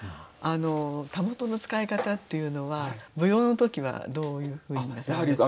たもとの使い方っていうのは舞踊の時はどういうふうになさるんですか？